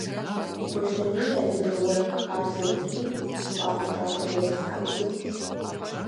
Гуащэней адыгэ уэркъ хабзэ ткӀийм щӀапӀыкӀа хъыджэбз тхьэӀухудт.